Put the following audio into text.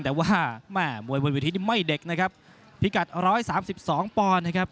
แต่ว่าแม่มวยบนเวทีที่ไม่เด็กนะครับพิกัดร้อยสามสิบสองปอนนะครับ